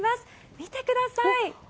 見てください！